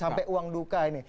sampai uang duka ini